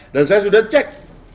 dan saya sudah cek